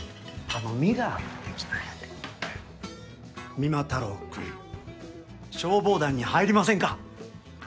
三馬太郎くん消防団に入りませんか？